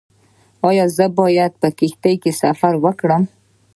ایا زه باید په کښتۍ کې سفر وکړم؟